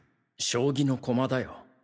将棋の駒だよ。